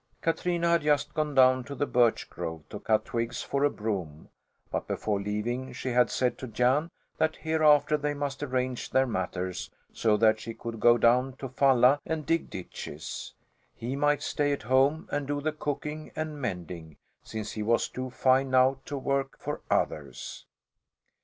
Katrina had just gone down to the birch grove to cut twigs for a broom: but before leaving she had said to Jan that hereafter they must arrange their matters so that she could go down to Falla and dig ditches; he might stay at home and do the cooking and mending, since he was too fine now to work for others.